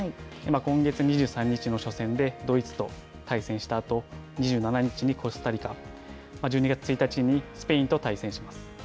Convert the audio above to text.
今月２３日の初戦で、ドイツと対戦したあと、２７日にコスタリカ、１２月１日にスペインと対戦します。